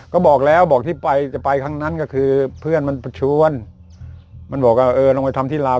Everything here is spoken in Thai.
ก็บอกแล้วบอกที่ไปจะไปครั้งนั้นก็คือเพื่อนมันชวนมันบอกว่าเออลงไปทำที่ลาว